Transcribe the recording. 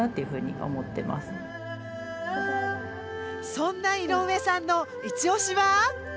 そんな井上さんのいちオシは？